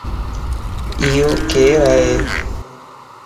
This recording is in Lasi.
ايو ڪيرائي؟